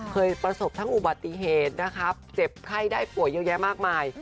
เคยประสบทั้งอุบัติเหตุนะครับเจ็บไข้ได้ป่วยเยอะแยะมากมาย